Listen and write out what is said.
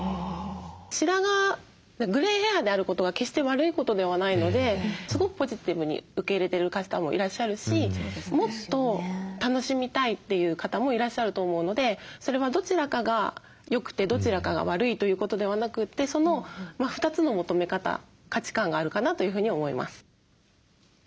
白髪グレイヘアであることは決して悪いことではないのですごくポジティブに受け入れてる方もいらっしゃるしもっと楽しみたいという方もいらっしゃると思うのでそれはどちらかが良くてどちらかが悪いということではなくてその２つの求め方価値観があるかなというふうに思います。